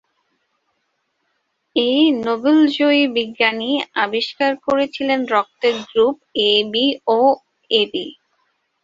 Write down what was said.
এই নোবেলজয়ী বিজ্ঞানী আবিষ্কার করেছিলেন রক্তের group ‘A, B, O, AB’.